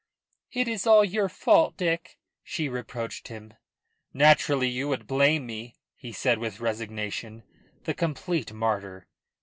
"It is all your fault, Dick," she reproached him. "Naturally you would blame me," he said with resignation the complete martyr.